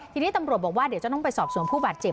ทีนี้ตำรวจบอกว่าเดี๋ยวจะต้องไปสอบส่วนผู้บาดเจ็บ